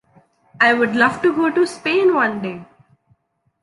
I would love to go to Spain one day.